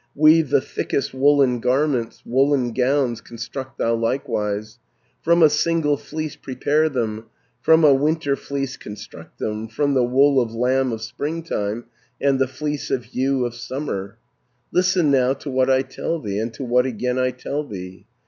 Weave the thickest woollen garments, Woollen gowns construct thou likewise, From a single fleece prepare them, From a winter fleece construct them, 390 From the wool of lamb of springtime, And the fleece of ewe of summer. "Listen now to what I tell thee, And to what again I tell thee.